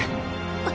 あ！